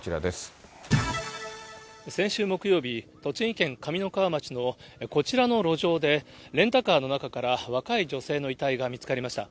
先週木曜日、栃木県上三川町のこちらの路上で、レンタカーの中から若い女性の遺体が見つかりました。